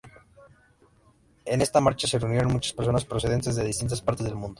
En esta marcha se reunieron muchas personas procedentes de distintas partes del mundo.